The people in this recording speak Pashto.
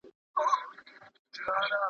څنګه کولای سو سفارت د خپلو ګټو لپاره وکاروو؟